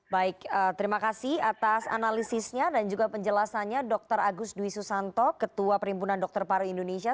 baik terima kasih atas analisisnya dan juga penjelasannya dr agus dwi susanto ketua perimpunan dokter paru indonesia